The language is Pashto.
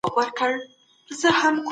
موږ بايد د يوې خوشحاله ټولني بنسټ کېږدو.